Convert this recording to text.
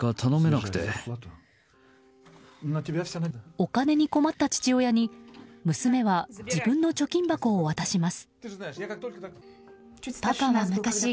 お金に困った父親に娘は自分の貯金箱を渡します。